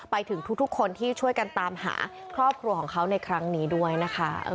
ไปถึงทุกคนที่ช่วยกันตามหาครอบครัวของเขาในครั้งนี้ด้วยนะคะ